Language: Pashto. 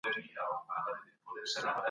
عام افغانان د کار کولو مساوي حق نه لري.